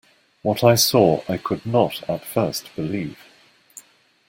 What I saw I could not at first believe.